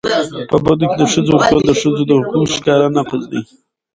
په بدو کي د ښځو ورکول د ښځو د حقونو ښکاره نقض دی.